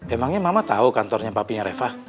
emangnya mama tahu kantornya papinya reva